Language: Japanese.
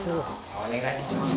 お願いします。